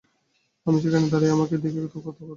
আমি সেখানে দাঁড়িয়ে, আমাকে দেখেই তো কথা উঠল।